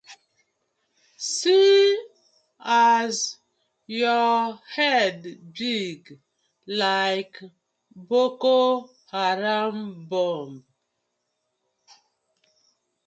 See as yu head big like Boko Haram bomb.